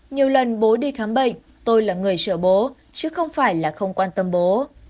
nhiều lần bố đi khám bệnh tôi là người trở bố chứ không phải là không quan tâm bố